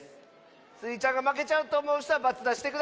スイちゃんがまけちゃうとおもうひとは×だしてください。